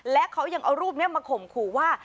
และเขายังเอารูปนี้มาข่มขู่ว่า